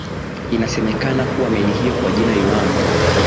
inasemekana kuwa meli hiyo kwa jina yuang